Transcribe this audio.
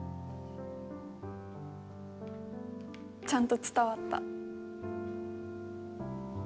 ちゃんと伝わった。